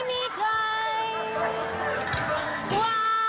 ไม่มีใครว่าเว้น